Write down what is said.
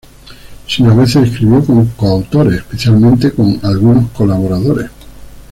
Sino a veces escribió con coautores, especialmente con algunos colaboradores.